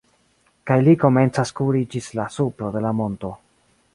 Kaj li komencas kuri ĝis la supro de la monto.